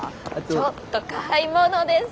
ちょっと買い物です。